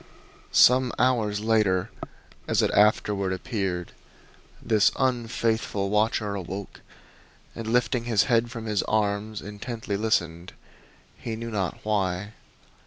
Some hours later, as it afterward appeared, this unfaithful watcher awoke and lifting his head from his arms intently listened he knew not why.